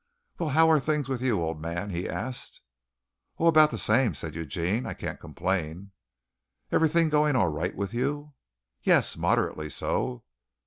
"Well, how are things with you, old man?" he asked. "Oh, about the same," said Eugene. "I can't complain." "Everything going all right with you?" "Yes, moderately so."